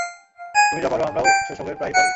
তুমি যা পারো, আমরাও সেসবের প্রায়ই পারি।